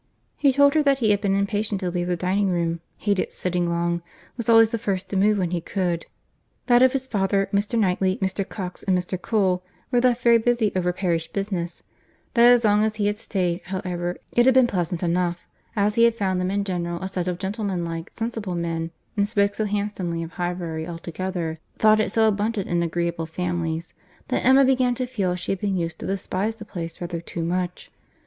He told her that he had been impatient to leave the dining room—hated sitting long—was always the first to move when he could—that his father, Mr. Knightley, Mr. Cox, and Mr. Cole, were left very busy over parish business—that as long as he had staid, however, it had been pleasant enough, as he had found them in general a set of gentlemanlike, sensible men; and spoke so handsomely of Highbury altogether—thought it so abundant in agreeable families—that Emma began to feel she had been used to despise the place rather too much.